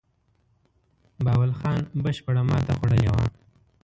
بهاول خان بشپړه ماته خوړلې وه.